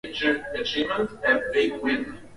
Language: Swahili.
Jaji mkuu alimhukumu kifo